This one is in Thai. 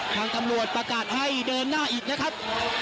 ทางตำรวจประกาศให้เดินหน้าอีกนะครับ